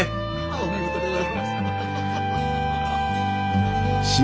お見事でございますハハハハ。